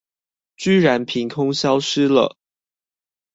居然憑空消失了